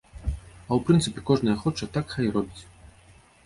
А ў прынцыпе, кожны як хоча так хай і робіць.